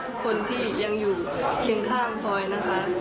ทุกคนที่ยังอยู่เคียงข้างฟอยนะคะ